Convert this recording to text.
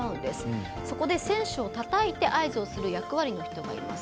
そこで選手をたたいて合図をする役割の人がいます。